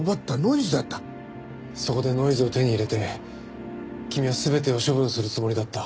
そこでノイズを手に入れて君は全てを処分するつもりだった。